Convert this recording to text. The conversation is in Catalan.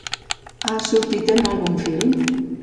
Ha sortit a algun film?